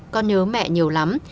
con nhớ mẹ nhiều lắm